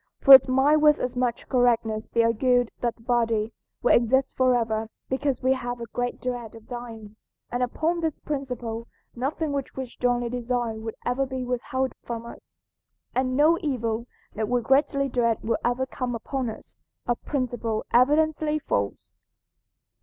For it might with as much correctness be argued that the body will exist forever because we have a great dread of dying, and upon this principle nothing which we strongly desire would ever be withheld from us, and no evil that we greatly dread will ever come upon us, a principle evidently false.